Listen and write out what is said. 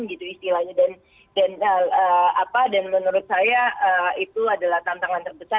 gitu istilahnya dan menurut saya itu adalah tantangan terbesar